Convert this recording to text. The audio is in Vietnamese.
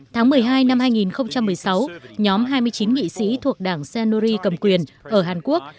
tháng một mươi hai năm hai nghìn một mươi sáu nhóm hai mươi chín nghị sĩ thuộc đảng sanori cầm quyền ở hàn quốc